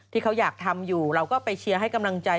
ที่เขาอยากทำอยู่เราก็ไปเชียร์ให้กำลังใจ